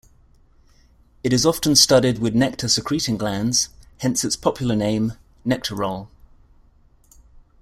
It is often studded with nectar secreting glands, hence its popular name, nectar roll.